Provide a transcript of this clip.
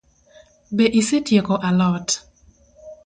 Be isetoko alot?